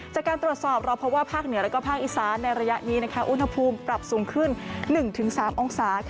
จากการตรวจสอบเราเพราะว่าภาคเหนือและภาคอีสานในระยะนี้อุณหภูมิปรับสูงขึ้น๑๓องศา